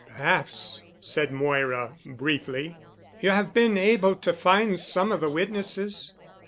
"Perhaps," said Moira briefly. "You have been able to find some of the witnesses?"